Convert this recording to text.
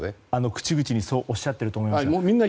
口々にそうおっしゃってると思います。